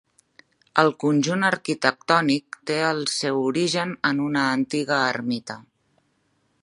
El conjunt arquitectònic té el seu origen en una antiga ermita.